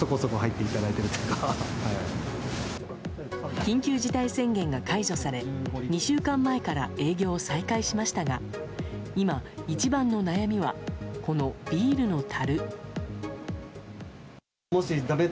緊急事態宣言が解除され２週間前から営業を再開しましたが今、一番の悩みはこのビールのたる。